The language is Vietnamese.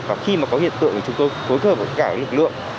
và khi mà có hiện tượng thì chúng tôi phối hợp với cả lực lượng